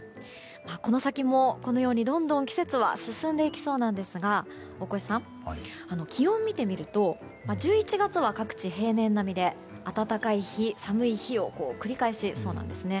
この先も、どんどん季節は進んでいきそうなんですが大越さん、気温を見てみると１１月は各地平年並みで暖かい日、寒い日を繰り返しそうなんですね。